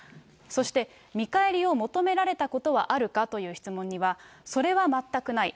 そして、見返りを求められたことはあるかという質問には、それは全くない。